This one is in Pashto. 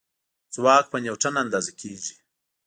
ځواک په نیوټن اندازه کېږي.